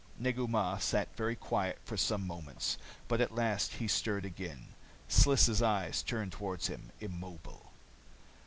Negu Mah sat very quiet for some moments. But at last he stirred again. Sliss' eyes turned toward him, immobile.